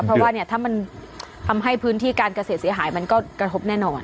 เพราะว่าเนี่ยถ้ามันทำให้พื้นที่การเกษตรเสียหายมันก็กระทบแน่นอน